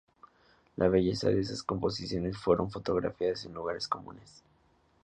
La belleza de esas composiciones fueron fotografiadas en lugares comunes.